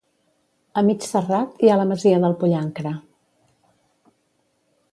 A mig serrat hi ha la masia del Pollancre.